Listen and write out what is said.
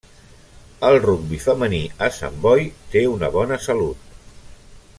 El rugbi femení a Sant Boi té una bona salut.